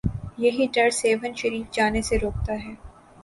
یہی ڈر سیہون شریف جانے سے روکتا ہے۔